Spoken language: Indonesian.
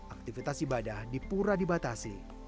aktivitas ibadah dipura dibatasi